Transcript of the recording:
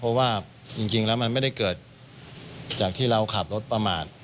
เพราะว่าจริงแล้วมันไม่ได้เกิดจากที่เราขับรถประมาท